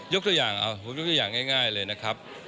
ยกตัวอย่างยังง่ายเลยนะครับ